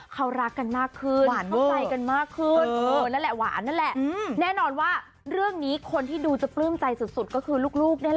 เขารักกันมากขึ้นเข้าใจกันมากขึ้น